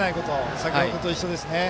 先ほどと一緒ですね。